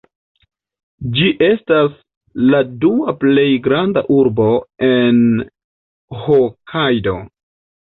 Ĝi estas la dua plej granda urbo en Hokajdo.